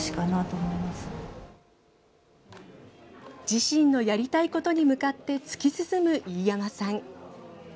自身のやりたいことに向かって突き進む飯山さん。